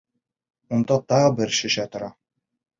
Унда тағы бер шешә тора!